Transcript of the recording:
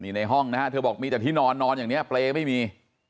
ในห้องนะฮะเธอบอกมีแต่ที่นอนนอนอย่างนี้เปรย์ไม่มี